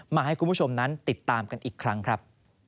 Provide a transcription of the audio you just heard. มาให้คุณผู้ชมนั้นติดตามกันอีกครั้งครับ